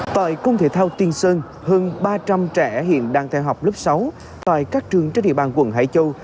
tại cung thể thao tiên sơn hơn ba trăm linh trẻ hiện đang theo học lớp sáu tại các trường trên địa bàn quận hải châu